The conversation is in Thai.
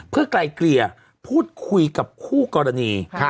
เพื่อไกลเกลี่ยพูดคุยกับคู่กรณี